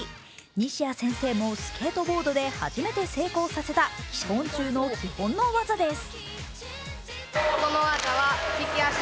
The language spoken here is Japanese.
西矢先生もスケートボードで初めて成功させた基本中の基本の技です。